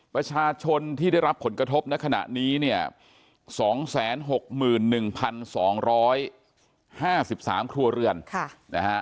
ประชาชนที่ได้รับผลกระทบในขณะนี้เนี่ย๒๖๑๒๕๓ครัวเรือนนะฮะ